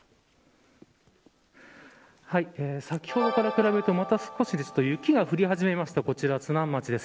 先ほどから比べると少し雪が降り始めましたこちら津南町です。